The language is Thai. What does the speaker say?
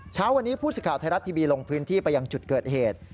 เช้าวันนี้พูดสิทธิ์ข่าวไทยรัตน์ทีบีลงพื้นที่ไปอย่างจุดเกิดเหตุ